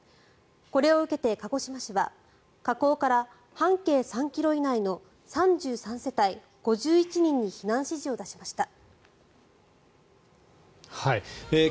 これを受けて鹿児島市は火口から半径３ｋｍ以内の３３世帯５１人に避難指示を出しました。